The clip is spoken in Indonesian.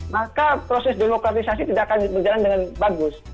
maka proses demokratisasi tidak akan berjalan dengan bagus